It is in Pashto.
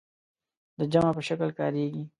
د جمع په شکل کاریږي.